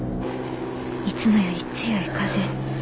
いつもより強い風。